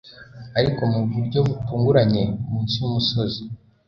Ariko mu buryo butunguranye munsi yumusozi